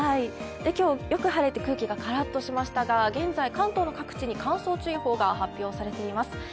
今日、よく晴れて空気がからっとしましたが現在、関東の各地に乾燥注意報が発表されています。